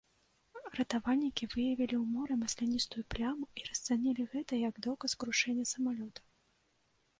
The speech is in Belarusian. Ратавальнікі выявілі ў моры масляністую пляму і расцанілі гэта як доказ крушэння самалёта.